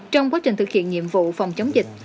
trong quá trình thực hiện nhiệm vụ phòng chống dịch